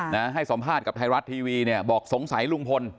ให้สัมภาษณ์กับไทยรัฐทีวีเนี่ยบอกสงสัยลุงพล